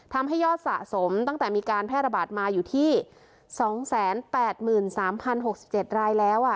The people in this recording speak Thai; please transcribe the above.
ทำให้ยอดสะสมตั้งแต่มีการแพร่ระบาดมาอยู่ที่๒๘๓๐๖๗รายแล้ว